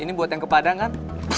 ini buat yang kepadang kan